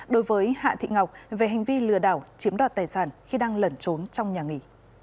đối với hạ thị ngọc về hành vi lừa đảo chiếm đoạt tài sản khi đang lẩn trốn trong nhà nghỉ